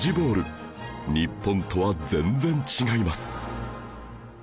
日本とは全然違います